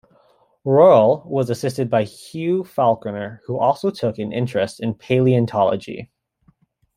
Royle was assisted by Hugh Falconer who also took an interest in paleontology.